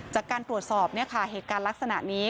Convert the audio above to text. จากการตรวจสอบเหตุการณ์ลักษณะนี้